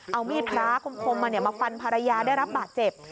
เอามีดพระคมมามาฟันภรรยาได้รับบาดเจ็บ